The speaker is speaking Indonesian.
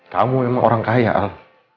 kamu memang orang kaya al